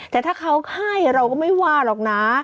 แต่ถ้าเขาให้เราก็ไม่ว่าหรอกนะ